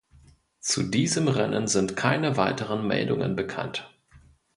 Zu diesem Rennen sind keine weiteren Meldungen bekannt.